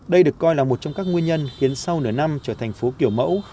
đây được coi là một trong các nguyên nhân khiến sau nửa năm trở thành phố kiểu mẫu